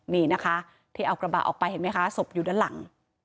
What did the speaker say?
นี่นะคะที่เอากระบะออกไปเห็นไหมคะศพอยู่ด้านหลัง